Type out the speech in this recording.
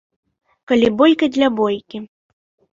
Калі бойка для бойкі.